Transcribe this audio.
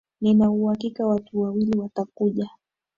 Nina uhakika watu wawili watakuja